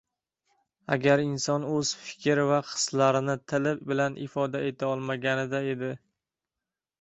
• Agar inson o‘z fikr va hislarini tili bilan ifoda eta olmaganida edi.